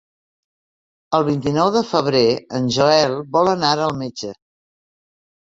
El vint-i-nou de febrer en Joel vol anar al metge.